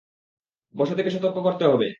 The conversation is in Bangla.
বসতিকে সতর্ক করতে হবে।